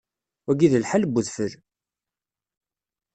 Wagi d lḥal n udfel.